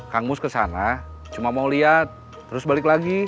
kang mus kesana cuma mau liat terus balik lagi